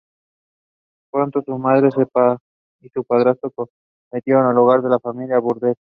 Pronto, su madre y su padrastro convirtieron el hogar familiar en un burdel.